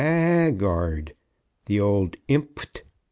Aagaard_, the old "Impt.